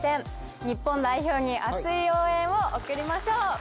日本代表に熱い応援を送りましょう！